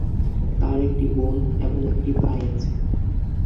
তার একটি বোন এবং একটি ভাই আছে।